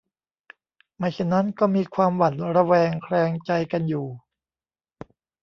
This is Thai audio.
ไม่เช่นนั้นก็มีความหวั่นระแวงแคลงใจกันอยู่